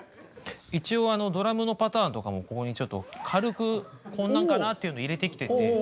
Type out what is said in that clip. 一応ドラムのパターンとかもここにちょっと軽くこんなんかなっていうのを入れてきてて。